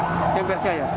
kucing persia ya